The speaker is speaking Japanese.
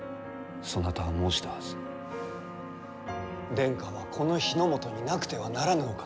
殿下はこの日ノ本になくてはならぬお方。